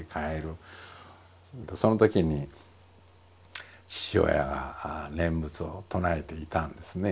そのときに父親が念仏を唱えていたんですね。